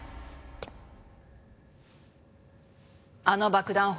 あの爆弾